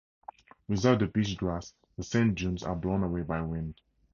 Without the beachgrass, the sand dunes are blown away by wind.